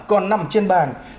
còn nằm trên bàn